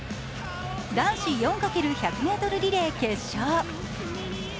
男子４×１００ｍリレー決勝。